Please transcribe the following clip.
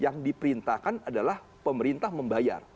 yang di perintahkan adalah pemerintah membayar